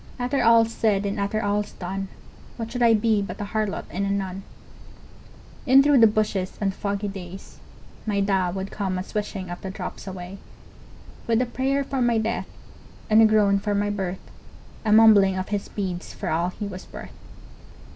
After all's said and after all's done, What should I be but a harlot and a nun? In through the bushes, on foggy days, My Da would come a swishing of the drops away, With a prayer for my death and a groan for my birth, A mumbling of his beads for all he was worth.